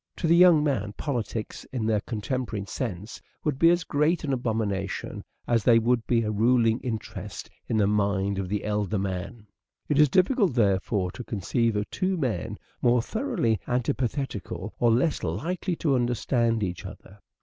To the young man, politics, in their contemporary sense, would be as great an abomination, as they would be a ruling interest in the mind of the elder man. It is difficult, therefore, to conceive of two men more thoroughly antipathetical or less likely to understand each other.